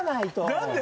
何で⁉